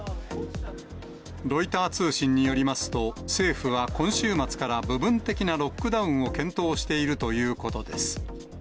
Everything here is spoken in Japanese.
ロイター通信によりますと、政府は今週末から部分的なロックダウンを検討しているということです。